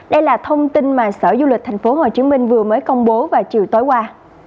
đây là thông tin mà sở du lịch thành phố hồ chí minh vừa mới công bố và chiều tối qua